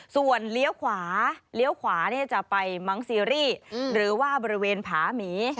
ส่วนเลี้ยวขวาจะไปมังซีรีย์หรือว่าบริเวณผาหมี